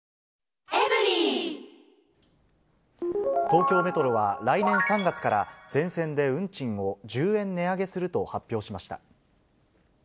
東京メトロは来年３月から、全線で運賃を１０円値上げすると発表しました。